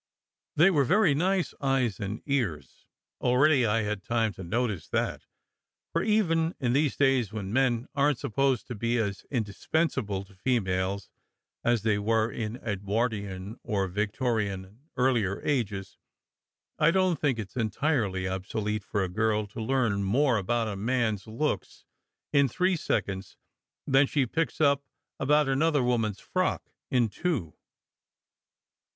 They were very nice eyes and ears. Already I d had time to notice that; for even in these days, when men aren t supposed to be as indispensable to females as they were in Edwardian or Victorian and earlier ages, I don t think it s entirely obsolete for a girl to learn more about a man s looks in three seconds than she picks up about another woman s frock in two.